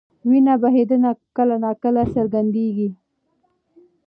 وینه بهېدنه کله ناکله څرګندېږي.